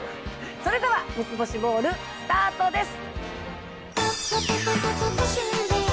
それでは『三ツ星モール』スタートです。